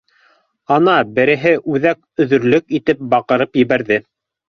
Ана, береһе үҙәк өҙөрлөк итеп баҡырып ебәрҙе.